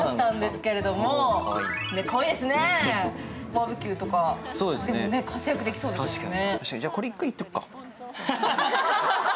バーベキューとか活躍できそうですよね。